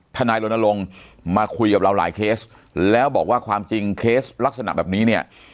ทนายรณรงค์มาคุยกับเราหลายเคสแล้วบอกว่าความจริงเคสลักษณะแบบนี้เนี่ย